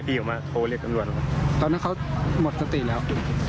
ตอนนั้นเค้าหาหมดสติแล้ว